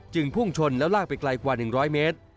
พุ่งชนแล้วลากไปไกลกว่า๑๐๐เมตร